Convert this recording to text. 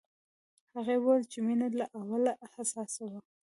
هغې وویل چې مينه له اوله حساسه وه